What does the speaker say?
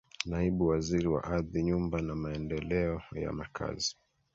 Naibu Waziri wa Ardhi Nyumba na Maendeleo ya Makazi